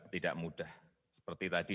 tidak mudah seperti tadi